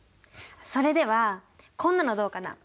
それではこんなのどうかな？